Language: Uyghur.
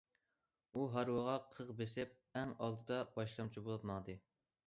ئۇ ھارۋىغا قىغ بېسىپ ئەڭ ئالدىدا باشلامچى بولۇپ ماڭدى.